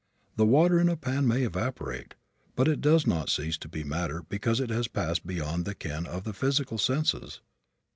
The water in a pan may evaporate, but it does not cease to be matter because it has passed beyond the ken of the physical senses.